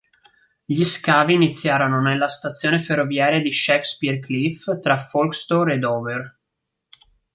Gli scavi iniziarono nella stazione ferroviaria di Shakespeare Cliff tra Folkestone e Dover.